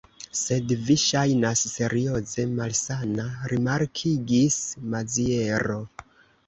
Sed vi ŝajnas serioze malsana, rimarkigis Maziero.